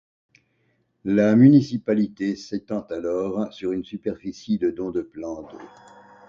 La municipalité s'étend alors sur une superficie de dont de plans d'eau.